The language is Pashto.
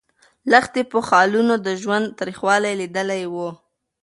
لښتې په خالونو د ژوند تریخوالی لیدلی و.